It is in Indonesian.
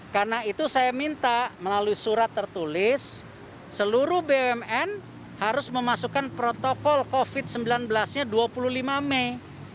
karena itu saya minta melalui surat tertulis seluruh bumn harus memasukkan protokol covid sembilan belas nya dua puluh lima mei